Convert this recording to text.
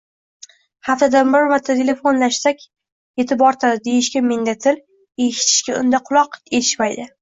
Haftada bir marta telefonlashsak etib-ortadi deyishga menda til, eshitishga unda quloq etishmaydi